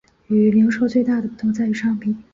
与零售最大的不同在于商品。